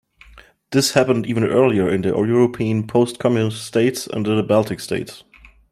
This happened even earlier in the European post-Communist states and in the Baltic states.